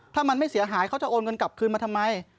ถ้ามันไม่เสียหายเขาจะโอนเงินกลับคืนมาทำไม